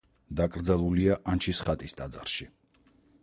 დაკრძალულია ანჩისხატის ტაძარში.